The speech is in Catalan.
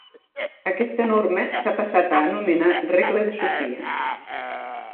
Aquesta norma s'ha passat a anomenar regla de Sofia.